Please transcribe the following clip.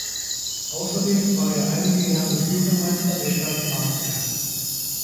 Außerdem war er einige Jahre Bürgermeister der Stadt Marsberg.